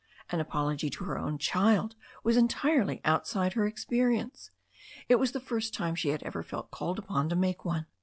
An apology to her own child was en tirely outside her experience. It was the first time she had ever felt called upon to make one.